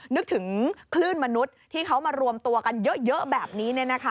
นึกถึงคลื่นมนุษย์ที่เขามารวมตัวกันเยอะแบบนี้